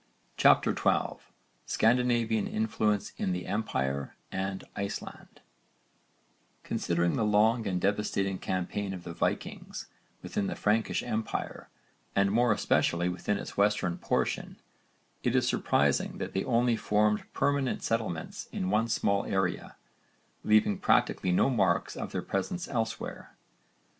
CHAPTER XII SCANDINAVIAN INFLUENCE IN THE EMPIRE AND ICELAND Considering the long and devastating campaign of the Vikings within the Frankish empire and more especially within its western portion, it is surprising that they only formed permanent settlements in one small area, leaving practically no marks of their presence elsewhere.